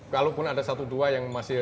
kalaupun ada satu dua yang masih